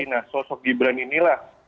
nah sosok gibran inilah